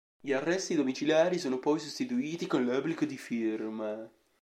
Gli arresti domiciliari sono poi sostituiti con l'obbligo di firma.